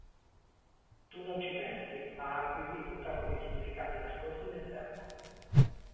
Tu non ci pensi, ma ha acquisito un sacco di significati nascosti nel tempo.